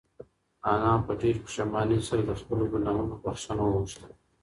انا په ډېرې پښېمانۍ سره د خپلو گناهونو بښنه وغوښته.